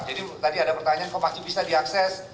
jadi tadi ada pertanyaan kok masih bisa diakses